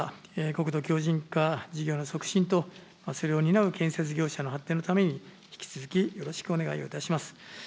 国土強じん化事業の促進と、それを担う建設業者の発展のために、引き続きよろしくお願いをいたします。